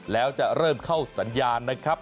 แล้วจะเริ่มเข้าสัญญาณนะครับ